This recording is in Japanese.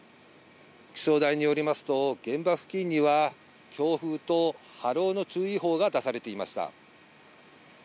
気象台によりますと、現場付近には強風と波浪の注意報が出されていました。